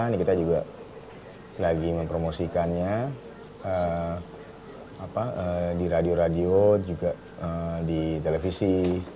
ini kita juga lagi mempromosikannya di radio radio juga di televisi